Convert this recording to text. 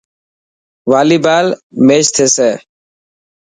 والي بال ميچ ٿيسي.